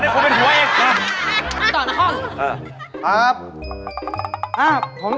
คือเป็นหัวเอง